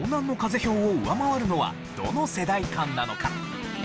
票を上回るのはどの世代間なのか？